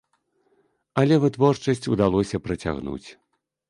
Але вытворчасць удалося працягнуць.